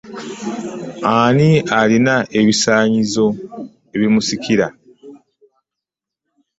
Ani alina ebisaanyizo ebimusikira?